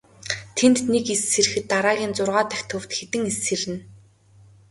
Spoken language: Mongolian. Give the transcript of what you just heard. Тэнд нэг эс сэрэхэд дараагийн зургаа дахь төвд хэдэн эс сэрнэ.